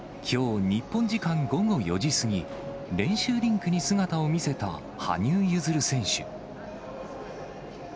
きょう日本時間午後４時過ぎ、練習リンクに姿を見せた羽生結弦選手。